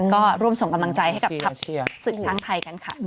ก็ร่วมส่งกำลังใจให้กับทัพศึกช้างไทยกันค่ะ